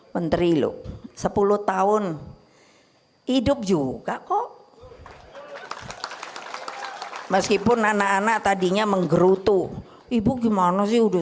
menteri lu sepuluh tahun hidup juga kok meskipun anak anak tadinya menggerutu ibu gimana sih udah